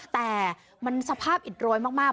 แต่มันสภาพอิดโรยมาก